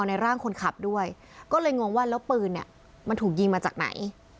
ในร่างคนขับด้วยก็เลยงงว่าแล้วปืนเนี่ยมันถูกยิงมาจากไหน